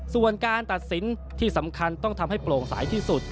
ส่วนการตัดสินที่สำคัญต้องทำให้โปร่งใสที่สุด